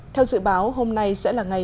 theo dự báo hôm nay sẽ là ngày